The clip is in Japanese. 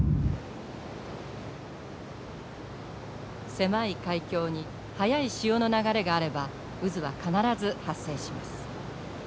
狭い海峡に速い潮の流れがあれば渦は必ず発生します。